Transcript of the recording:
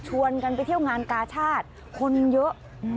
กันไปเที่ยวงานกาชาติคนเยอะ